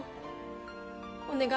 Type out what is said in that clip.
お願い